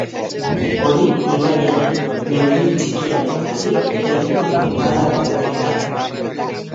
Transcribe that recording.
Hori ibaiaren neurri txikiarengatik eta inguruko adarrengatik da.